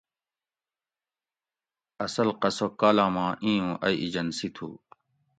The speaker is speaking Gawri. اصل قصہ کالاماں ایں اُوں ائی ایجنسی تُھو